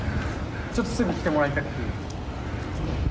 ちょっとすぐ来てもらいたいです。